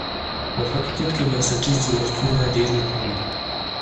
په حقیقت کې بنسټیز جوړښتونه ډېر مهم دي.